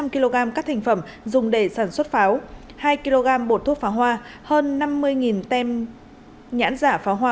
bốn trăm linh kg các thành phẩm dùng để sản xuất pháo hai kg bột thuốc pháo hoa hơn năm mươi tem nhãn giả pháo hoa